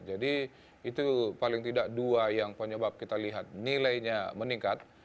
jadi itu paling tidak dua yang penyebab kita lihat nilainya meningkat